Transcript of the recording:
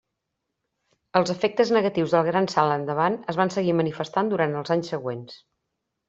Els efectes negatius del Gran Salt Endavant es van seguir manifestant durant els anys següents.